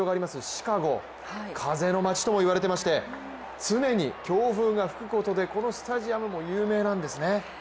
シカゴ風の街ともいわれてまして常に強風が吹くことでこのスタジアムも有名なんですね。